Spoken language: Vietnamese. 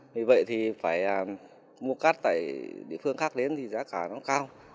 vì vậy thì phải mua cát tại địa phương khác đến thì giá cả nó cao